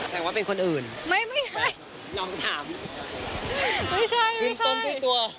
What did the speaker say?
แค่ว่าเป็นคนอื่นไม่น้องถามไม่ใช่กินต้นตู้ตัว